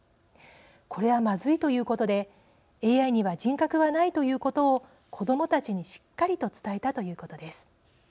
これはまずいということでＡＩには人格はないということを子どもたちにしっかりと伝えたということです。